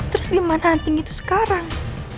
terus di mana anting itu sekarang